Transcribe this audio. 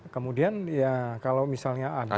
kemudian ya kalau misalnya ada